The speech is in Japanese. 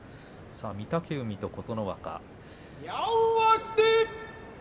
御嶽海と琴ノ若。